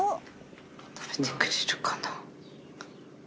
食べてくれるかな？